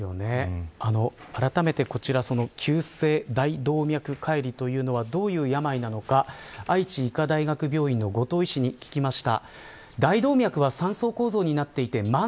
あらためて急性大動脈解離というのはどういった病なのか愛知医科大学病院の後藤医師に聞きました。